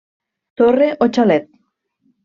Torre o xalet.